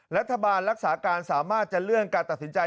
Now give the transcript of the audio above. รัฐบาลรักษาการสามารถจะเลื่อนการตัดสินใจ